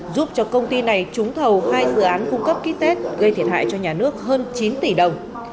giúp cho công ty này trúng thầu hai dự án cung cấp ký tết gây thiệt hại cho nhà nước hơn chín tỷ đồng